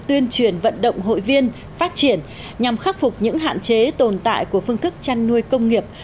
tuyên truyền vận động hội viên phát triển nhằm khắc phục những hạn chế tồn tại của phương thức chăn nuôi công nghiệp